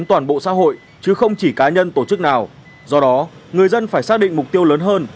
trong đó người dân phải xác định mục tiêu lớn hơn